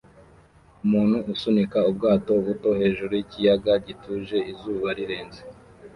Umuntu asunika ubwato buto hejuru yikiyaga gituje izuba rirenze